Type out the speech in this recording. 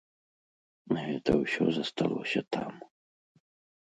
Гэта ўсё засталося там.